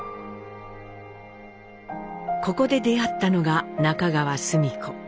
ここで出会ったのが中川スミ子。